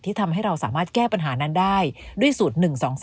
ทำให้เราสามารถแก้ปัญหานั้นได้ด้วยสูตร๑๒๒